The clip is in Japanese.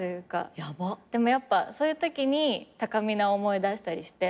でもやっぱそういうときにたかみなを思い出したりして。